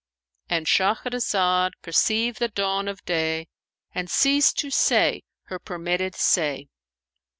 "—And Shahrazad perceived the dawn of day and ceased to say her permitted say.